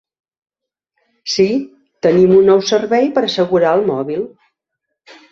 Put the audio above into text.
Sí, tenim un nou servei per assegurar el mòbil.